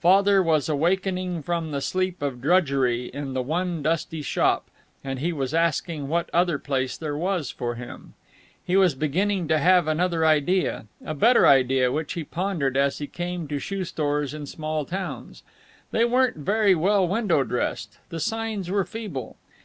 Father was awakening from the sleep of drudgery in the one dusty shop, and he was asking what other place there was for him. He was beginning to have another idea, a better idea, which he pondered as he came to shoe stores in small towns.... They weren't very well window dressed; the signs were feeble....